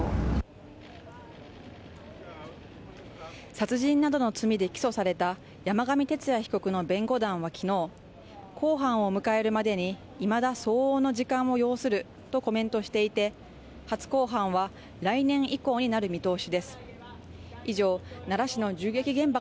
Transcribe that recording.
殺人などの罪で起訴された山上徹也被告の弁護団は昨日、公判を迎えるまでに、今だ相応の時間を要するとコメントしていて初公判は来年以降になる見通しです。